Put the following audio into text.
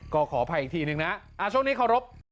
ก็ขออภัยอีกทีนึงนะช่วงนี้เคารพ